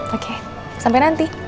oke sampai nanti